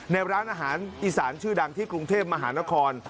ในร้านอาหารอีสานชื่อดังที่กรุงเทพมหานคร